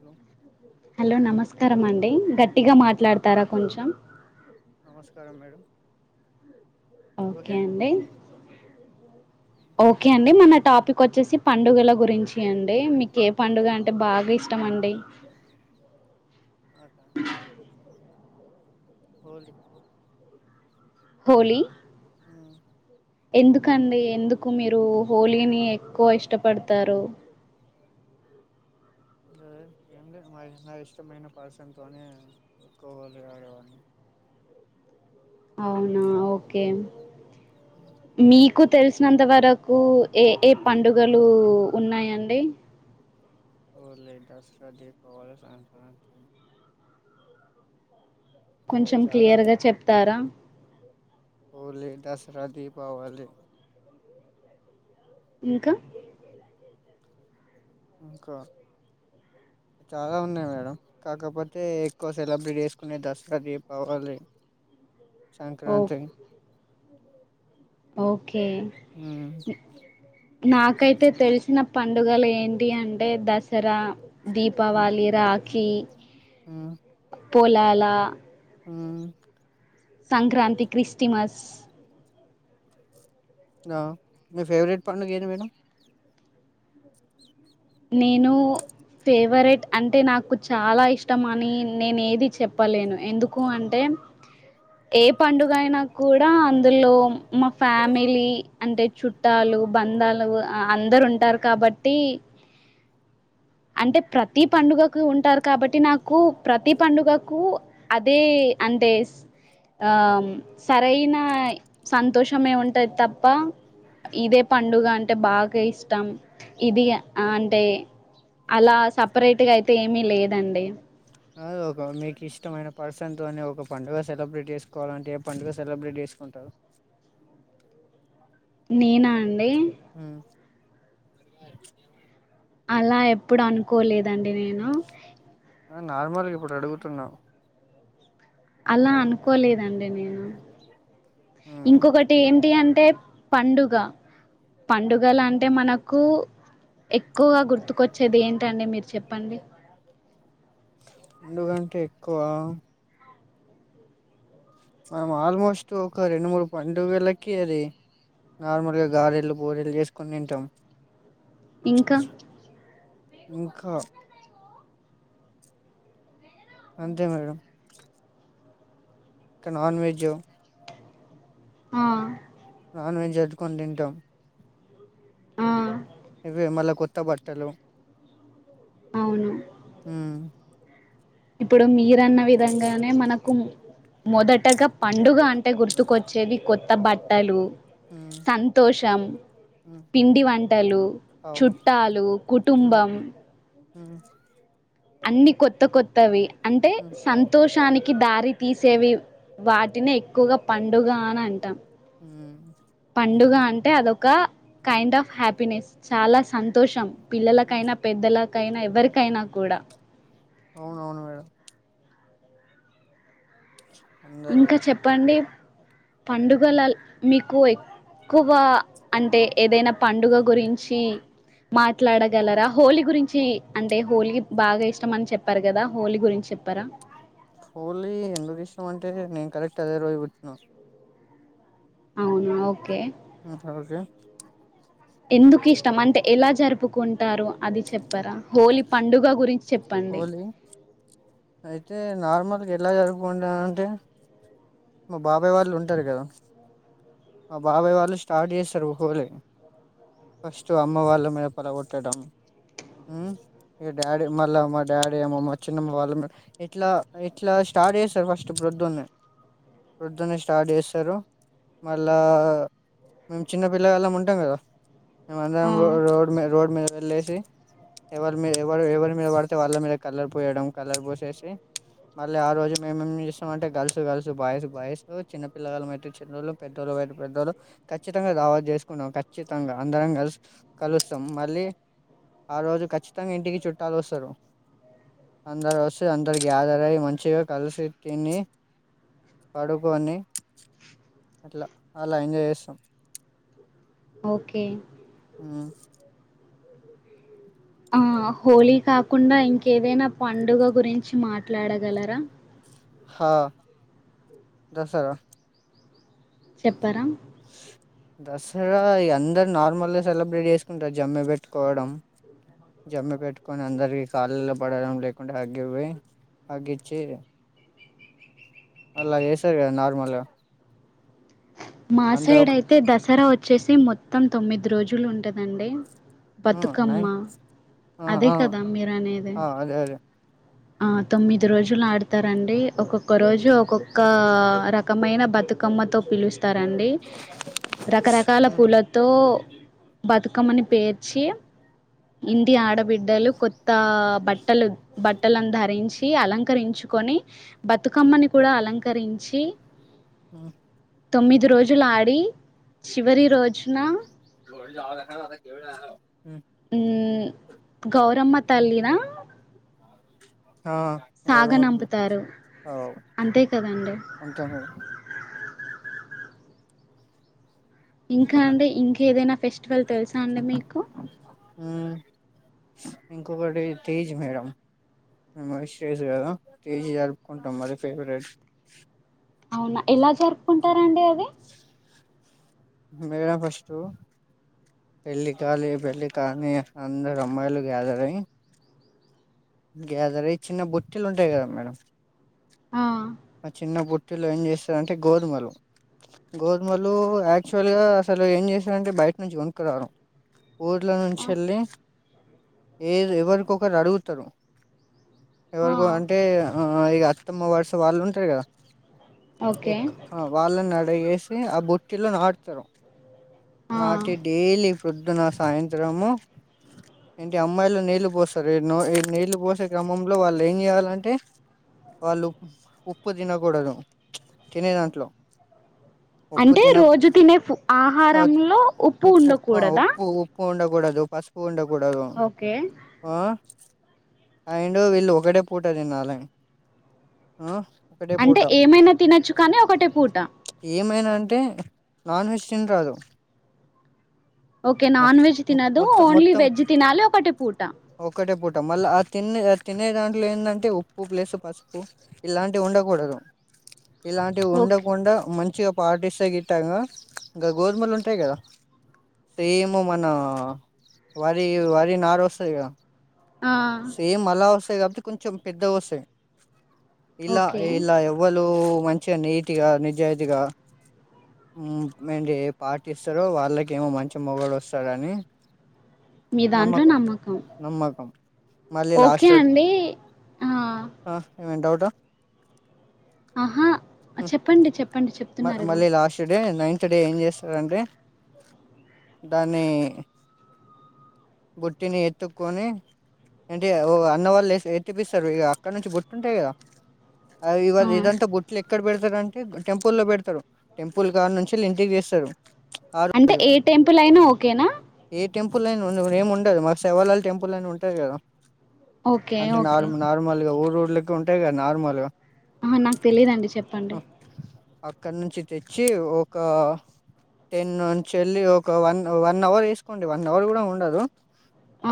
Hello hello నమస్క్ స్కారమండి గట్టిగా మాట్లాడతారా కొంచెం. నమస్కారం మేడం ఓకే అండి ఓకే అండి మన టాప్ పీక్ వచ్చేసి పండుగల గురించీ అండి మీకు ఏ పండుగ అంటే బాగా ఇష్టమండి. మాక హోళి హోలీ ఎందుకండి ఎందుకు మీరూ హోలీని ఎక్కువ ఇష్టపడతారు. అ ఏం లే మా నా ఇష్టమైన పర్సన్ తోనే ఎక్కువ హోలీ ఆడేవాన్ని. అవునా ఓకే మీ కు తెలిసినంత వరకూ ఏ ఏ పండుగలూ ఉన్నాయండి. హోళి, దసర, దీపావళి, సంక్రాంతి. ఇంకా కొంచెం చాలా క్లియర్ గా చెప్తారా. హోలీ, దసరా, దీపావళి. ఇంకా ఇంకా. చాలా ఉన్నాయి మేడం, కాకపోతే ఎక్కువ సెలబ్రేట్ చేసుకునే దసరా, దీపావళే. సంక్రాంతి ఓ కే ఉమ్ నాకైతె తెలిసినప్ పండుగలు ఏంటి అంటే దసరా దీపావాళి రాక్ ఖీ ఆ పోలాలా ఆ సంక్రాంతి, క్రిస్టిమస్ ఆ మీ ఫేవరెట్ పండుగ ఏది మేడం. నేనూ ఫేవరెట్ అంటే నాకు చాలా ఇష్టం అనీ నేన్ ఏది చెప్పలేను. ఎందుకు అంటే, ఏ పండుగ అయినా కూడా అందులో మా ఫ్యామిలీ, అంటే చుట్టాలు బంధాలు అందరు ఉంటారు కాబట్టీ అంటే ప్రతి పండుగకు ఉంటారు కాబట్టి నాకు ప్రతి పండుగకు అదే అంటే ఆ సరైన సంతోషమే ఉంటది తప్ప ఇదే పండుగ అంటే బాగా ఇష్టం ఇది ఆ అంటే అలా సెపరేటుగ అయితే ఏమీ లేదండి అ ఒక మీకు ఇష్టమైన పర్సన్ తోనే ఒక పండుగ సెలబ్రేట్ చేసుకోవాలంటే ఏ పండుగ సెలబ్రేట్ చేసుకుంటారు నేనా అండి హ్మ్ అలా ఎప్పుడు అనుకోలేదండి నేను నార్మల్గా ఇప్పుడు అడుగుతున్నా అలా అనుకోలేదండి నేను ఉమ్ ఇంకొకటి ఏంటి అం టే పండుగ పండుగలు అంటే మనకు ఎక్కువగా గుర్ ర్తుకొచ్చేది ఏంటండి మీరు చెప్పండి పండుగంటే ఎక్కువ మనం ఆల్మోస్ట్ ఒక రెండు మూడు పండుగలకి అది నార్మల్గా గారెలు బోరేలు చేసుకొని తింటాం ఇంకా ఇంకా అంతే మేడం తినవా వెజ్ ఆ నాన్ వెజ్ అద్దుకొని తింటాం ఆ ఇవే మళ్ళ కొత్త త్త బట్టలు అవును ఉమ్ ఇప్పుడు మీయు న్న విధంగానే మన కుంది మొదటగా పండుగ అంటే గుర్తుకొచ్చేది కొత్త బట్టలు ఉమ్ సంతోషం ఉమ్ పిండి వంటలు అవు చుట్టాలు కుటుంబం మ్మ్ అన్ని కొత్త కొత్తవి అంటే ఉమ్ సంతోషానికి కి దారి తీసేవి వాటిని ఎక్కువగా పండుగ అని అంటాం హ్మ్మ్ పండుగ అంటే అదో క కైండ్ ఆఫ్ హ్యాపీనెస్ చాలా సంతోషం పిల్లలకైనా పెద్దల కైన ఎవరికైనా కూడా అవునవును మేడం అందరూ ఇంకా చెప్పండి పండుగలాల్ మీకు ఎక్కువా అంటే ఏదైనా పండగ గురించి మాట్లాడగలరా హోలీ గురించి అంటే హోలీ బాగా ఇష్టమని చెప్పరుగా అంటే హోలీ గురించి చెప్పరా హోలీ ఎందుకు ఇష్టం అంటే నేను కరెక్ట్ అదే రోజు పుట్నా అవునా ఓకే ఒకే ఓకె ఎందుకు ఇష్టం అంటే ఎలా జరుపుకుంటారు అది చెప్పరా హోలీ పండుగ గురించి చెప్పండి హోలీ అయితే నార్మల్ మీరు ఎలా జరుపుకుంటారంటే మా బాబాయ్ వాళ్ళు ఉంటారు కదా మా బాబాయ్ వాళ్ళు స్టార్ట్ చేస్తారు హోలీ ఫస్ట్ అమ్మ వాళ్ళ మీద పొలగొట్టడం మ్మ్ ఇక డాడీ మల్ల మా డాడీ అమ్మమ్మ చిన్నమ్మ వాళ్ళ ఇట్లా ఇట్లా స్టార్ట్ చేస్తారు ఫస్ట్ ప్రొద్దునే ప్రొద్దునే స్టార్ట్ చేస్తారు మళ్ళా మేము చిన్నపిల్లలం ఉంటాం కదా మేము అందరం ఆ రో రోడ్డు మీద రోడ్డుమీద వెళ్లేేసి ఎవరి మీరు ఎవరు ఎవరి మీరు పడుత అయితే వాళ్ళ మీద కలర్ పోయడం కళ్లర్ పోసేసి మళ్ళీ ఆ రోజు మేమేం చేస్తాం అంటే గర్ల్స్ గర్ల్స్ బాయ్స్ బాయ్స్ చిన్న పిల్లగాళ్ళం అయితే చిన్నోళ్ళు పెద్దోళ్ళు వైపు పెద్దోళ్ళు ఖచ్చితంగా రావా చేసుకున్నాం ఖచ్చితంగా అందరం కలిసి కలుస్తాం మళ్ళీ ఆ రోజు ఖచ్చితంగా ఇంటికి చుట్టాలు వస్తారు అందరు వస్తే అందరు గ్యాదర్ అయ్యి మంచిగా కలిసి తిని పడుకొని అట్లా అలా ఎంజాయ్ చేస్తాం ఓకే హ్మ్ ఆ హోలీ కాకుండా ఇంకేదైనా పండుగ గురించి మాట్లాడగలరా హా దసరా చెప్పరా దసరా ఇగ అందరు నార్మల్ గా సెలబ్రేట్ చేసుకుంటారు జమ్మి పెట్టుకోవడం జమ్మి పెట్టుకొని అందరికి కాళ్ళల్లో పడడం లేకుండా హాగ్ ఇవ్వి హాగ్ ఇచ్చి అలా చేసారు కదా నార్మల్గా మా అందరు సైడ్ ఒక అయితే దసరా వ చ్చేసి మొత్తం తొమ్మిది రోజులు ఉంటదండి ఆ, బతుకమ్మ నైన్ ఆ, అదే ఆ, కదా మీరు అనేది ఆ, అదే అదే ఆ తొమ్మిది రోజులు ఆడ్తారండి ఒక్కొక్క రోజు ఒక్కొక్క రకమైన బతుకమ్మతో పిలుస్త్ త రండి రకరకాల పూలతో బతుకమ్మని పేర్చి ఇంటి ఆడబిడ్డలు కొత్త బట్టలు బట్టలను ధరించి అలంకరించుకొని బతుకమ్మని కూడా అలంకరించి, హ్మ్ తొమ్మిది రోజులు ఆడి చివరి రోజున ఉమ్ గౌరమ్మ తల్లినా ఆ గౌరమ్మ తల్లే అవ్ అంతే కదండి అంతే మేడం ఇంకా అంటే ఇంకేదైనా ఫెస్టివల్ తెలుసా అండి మీకు హ్మ్ ఇంకొకటి తేజ్ మేడం మ్మ్ విష్ జేయచ్చు కదా తేజ్ జరుపుకుంటాం మది ఫేవరెట్ అవునా ఎలా జరుపుకుంటారం అండి అది మేడం ఫస్టు పెళ్ళి కాలేదు పెళ్లి కా అని అందరు అమ్మాయిలు గ్యాదర్ అయ్యి గ్యాదర్ అయ చిన్న బొట్ట్టలు ఉంటాయి కదా మేడం ఆ ఆ చిన్న పుటిలో ఏం చేస్తారంటే గోధుమలు గోధుమలు యాక్చువల్గా అసలు ఏం చేస్తారంటే బయట నుంచి కొనుకురారు ఊర్లో నుంచి వెళ్ళి ఏద్ ఎవరికొకరు అడుగుతారు ఆ ఎవరికు అంటే ఆ ఇగ అత్తమ వర్స్ వాళ్ళు ఉంటరు గదా ఓకే ఎక్ ఆ వాళ్ళను గాద్ దా వేసి ఆ బుట్టిలో నాటుతారు ఆ నాటి డైలీ ఫుడ్ పొద్దున్న సాయంత్రము ఏంటి అమ్మాయిలు నీళ్ళు పోస్తరు [unintelligible] నీళ్ళు పోసే క్రమంలో వాళ్ళు ఏం చేయాలంటే వాళ్ళు ఉప్పు తినకూడదు ప్చ్ తినే దాంట్లో ఉప్పు అంటే తిన రోజు తినే ఫు ఆహారంలో ఉప్పు ఉండకూడదా ఉప్పు ఉండకూడదు పసుపు ఉండకూ కూడదు ఓకే ఆ అండ్ వీళ్ళు ఒకటే పూట తినాలి ఆహ్ అంటే ఏమైనా తినొచ్చు కానీ ఒకటే పూట ఏమైనా అంటే నాన్ వెజిటేరియన్ కాదు ఓకే నాన్ వెజ్ తినద్దూ ఓన్లీ మొత్తం వెజ్ తినాలి ఒకటే పూట మళ్ళ ఆ తినే ఆ తినే దాంట్లో ఏందంటే ఉప్పు ప్లస్ పసుపు ఇలాంటివి ఉండకూడదు ఇలాంటివి ఓకే ఉండకుండా మంచ్ మంచిగా పాటిస్తే గిట్టంగా గా గోధుమలు ఉంటయి కదా సేము మనా వరి వరి నార్ వస్తది కదా ఆ సేమ్ అలా వస్త్ కాబట్టి కొంచెం పెద్దగ వస్తయి ఇలా ఓకే ఇలా ఎవ్వళూ మంచిగ నీట్గా నిజాయితీగా మ్మ్ మెంటి పాటిస్తరో వాళ్ళకేమో మంచి మొగుడు వస్తడని మీ దాంట్లో నమ్మకం నమ్మకం మళ్ళీ ఓకే లాస్ట్ అండీ ఆ ఏంమైన్నా డౌట్ ఆ ఆహా చెప్పండి చెప్పండి చెప్తున్నారుగా మళ్ళీ లాస్ట్ డే నైన్త్ డే ఏం చేస్తారంటే దాన్ని బుట్టిని ఎత్తుకొని ఏంటి ఓ అన్న వాళ్ళు లేసి ఎత్తిపిస్తారు ఇగా అక్కడ నుంచి బుట్టి ఉంటయి కదా ఆ ఇగా ఇదంత బొట్లు ఎక్కడ పెడ్ [unintelligible] అంటే టెంపులో పెడతరు టెంపుల్ కాడి నుంచి వీళ్ళింటికి తెస్తరు అంటే ఏ టెంపుల్ అయినా ఓకేనా ఏ టెంపుల్ అని ఉండదు ఏమిముండదు మా శవర్లాల్టెంపుల్ అని ఉంటది కదా ఓకే అంటే ఓకే నార్ నార్మల్గా ఊర్ రోడ్లెక్కువ ఉంటయి కదా నార్మలు హ నాకు తెలీదండీచెప్పండి. అక్కడ నుంచి తెచ్చి ఒక టెన్ నుంచి వెళ్ళి ఒక వన్ వన్ అవర్ వేసుకోండి వన్ అవర్ కూడా ఉండదు.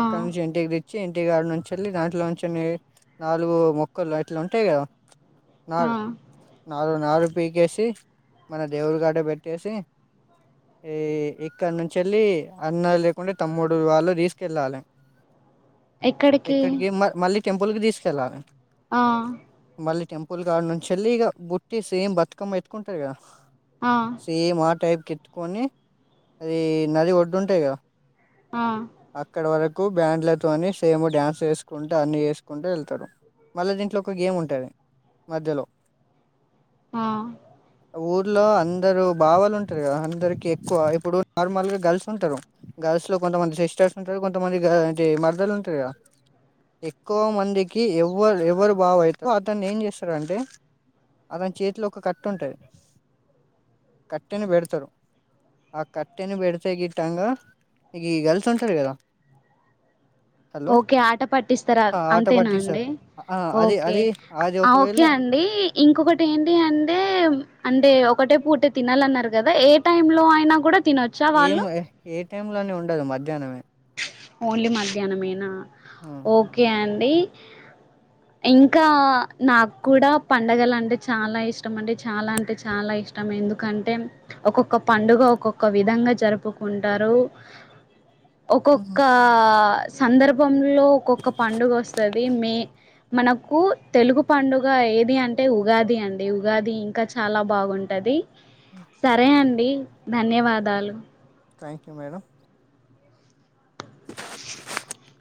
ఆ నుంచి ఇంటికి తేచి. ఇంటి గాడి నుంచి వెళ్ళి దాంట్లో నుంచి నాలుగు మొక్కలు. ఇట్లా ఉంటాయి గా. ఆ [unintelligible] నారు పీకేసి మన దేవురి గడ పెట్టేసి ఈ ఇక్కడ నుంచి వెళ్ళి అన్న లేకుంటే తమ్ముడు వాళ్ళు తీసుకెళ్ళాలి. ఎక్కడికి మ మళ్ళీ. టెంపల్కి తీసుకెళ్ళాలి. ఆ.. మళ్ళీ టెంపుల్ గాడి నుంచి వెళ్లి ఇక గుట్టి స ఏం బతుకమ్మ ఎత్తుకుంటారు గా. ఆ సేమ్ ఆ టైప్ కిటుకోని అది నది ఒడ్డుంటాయి కదా. ఆ అక్కడ వరకు కు బ్యాండ్లతోని సేమ్ డ్యాన్స్ వేసుకుంటే అన్నీ చేసుకుంటూ వెళ్తారు. మళ్ళీ దీంట్లో ఒక గేమ్ ఉంటాది మధ్యలో. ఆ.. ఊర్లో అందరు బావాలు ఉంటారు కదా అందరికి ఎక్కువ ఇప్పుడు నార్మల్ గా గర్ల్స్ ఉంటారు గర్ల్స్ లో కొంతమంది సిస్టర్స్ ఉంటారు కొంతమంది మర్దలు ఉంటారు కదా ఎక్కువ మందికి. ఎవరు ఎవరు బావ అయితే అతన్ని ఏం చేస్తారుంటే అతని చేతిలో ఒక కట్ ఉంటాది కట్టని పెడతారు ఆ కట్టని పెడితే గిట్టాంగా ఈ గర్ల్ స్ ఉంటారు కదా. హలో ఓకే ఆట పట్టిస్తారా ఆ ఆట అంతేనా పట్టిస్తారు అండి. ఆ అది ఓకే అది అది ఓకే ఒకవేళ అండి ఇంకొకటి ఏంటి అంటే అంటే. ఒకటే పూటే తినాలన్నారు కదా ఏ టైంలో అయినా కూడా. తినొచ్చా ఏం వాళ్ళు ఏ టైంలోనే ఉండదు మధ్యాహ్నమే ఓన్లీ మధ్యాహ్నమేనా ఓకే అండి అండి ఇంకా నాకు కూడా పండుగలు అంటే చాలా ఇష్టం అండి చాలా అంటే చాలా ఇష్టం ఎందుకంటే ఒక్కొక్క పండుగ ఒక్కొక్క విధంగా జరుపుకుంటారు. ఒక్కొక్క.. సందర్భం లో ఒక్కొక్క పండుగ వస్తది మే. మనకు తెలుగు పండుగ ఏది అంటే ఉగాది అండి ఉగాది ఇంకా చాలా బాగుంటాది. సరే అండి. అండి ధన్యవాదాలు. Thank you madam. [inaudible]